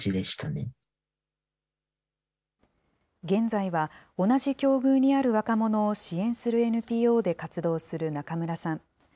現在は同じ境遇にある若者を支援するＮＰＯで活動する中村さん。